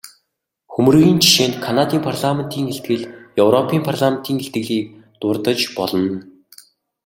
Хөмрөгийн жишээнд Канадын парламентын илтгэл, европын парламентын илтгэлийг дурдаж болно.